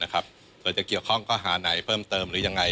เดี๋ยวจะเกี่ยวข้องเข้าหาไหนเพิ่มเติมหรือยังไง